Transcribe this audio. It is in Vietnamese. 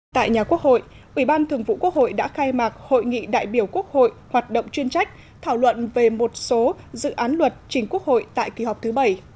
tại nhà quốc hội ủy ban thường vụ quốc hội đã khai mạc hội nghị đại biểu quốc hội hoạt động chuyên trách thảo luận về một số dự án luật trình quốc hội tại kỳ họp thứ bảy